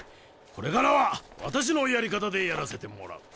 これからは私のやり方でやらせてもらう。